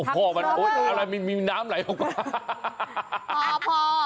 พ่อมันมีน้ำไหลออกมา